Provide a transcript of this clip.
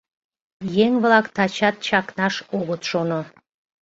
Еҥ-влак тачат чакнаш огыт шоно.